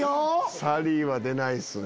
サリーは出ないっすね